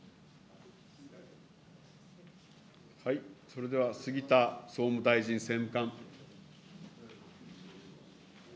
それでは、杉田総務大臣政務官。